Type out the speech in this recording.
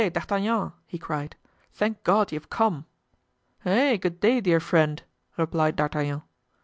D'Artagnan!" he cried. "Thank God you have come!" "Eh! good day, dear friend!" replied D'Artagnan.